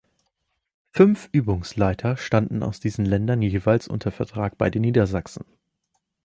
Fünf Übungsleiter standen aus diesen Ländern jeweils unter Vertrag bei den Niedersachsen.